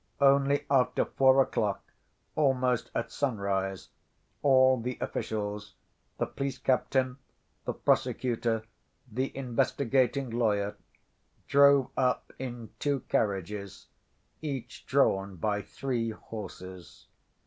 Only after four o'clock, almost at sunrise, all the officials, the police captain, the prosecutor, the investigating lawyer, drove up in two carriages, each drawn by three horses.